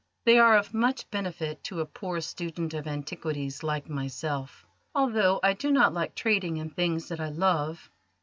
They are of much benefit to a poor student of antiquities like myself, although I do not like trading in things that I love.